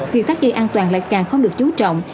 vì tắt ghế an toàn lại càng không được chú trọng